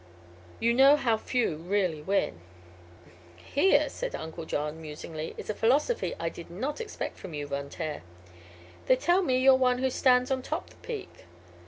You know how few really win." "Here," said Uncle John, musingly, "is a philosophy I did not expect from you, Von Taer. They tell me you're one who stands on top the peak.